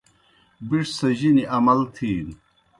بِݜ سہ جِنیْ امَل تِھینوْ۔